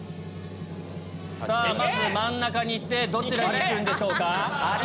まず真ん中に行ってどちらに行くんでしょうか？